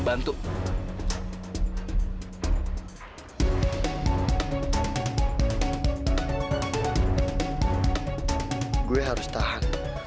gue harus tahan